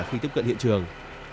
khi tiếp cận hiện trường